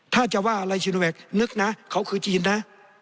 ถ้าจะว่าอะไรชิโนแวคนึกนะเขาคือจีนนะ